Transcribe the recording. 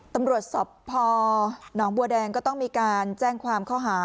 ตำรวจสพหนองบัวแดงก็ต้องมีการแจ้งความข้อหา